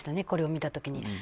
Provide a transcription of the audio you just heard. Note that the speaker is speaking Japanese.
これを見た時に。